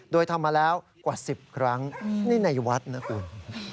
โดยทำมาแล้วกว่า๑๐ครั้งนี่ในวัดนะคุณ